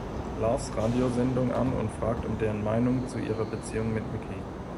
Loves Radiosendung an und fragt um deren Meinung zu ihrer Beziehung mit Mickey.